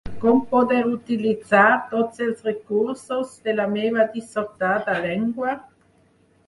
¿Com poder utilitzar tots els recursos de la meva dissortada llengua?